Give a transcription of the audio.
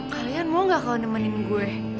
kalian mau gak kalau nemenin gue